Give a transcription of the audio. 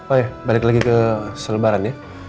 oh balik lagi ke selebaran ya